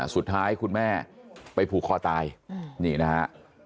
สุดท้ายคุณแม่ไปผูกคอตายนี่นะฮะ